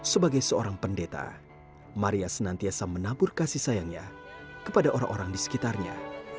sebagai seorang pendeta maria senantiasa menabur kasih sayangnya kepada orang orang di sekitarnya